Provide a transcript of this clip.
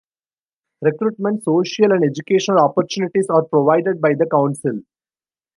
Recruitment, social, and educational opportunities are provided by the council.